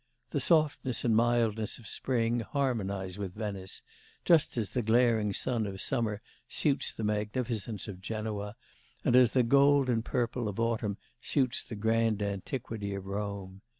The softness and mildness of spring harmonise with Venice, just as the glaring sun of summer suits the magnificence of Genoa, and as the gold and purple of autumn suits the grand antiquity of Rome.